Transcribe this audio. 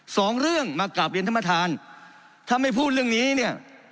สองเรื่องมากราบเรียนท่านประธานถ้าไม่พูดเรื่องนี้เนี่ย